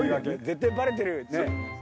絶対バレてるよね。